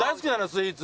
スイーツ。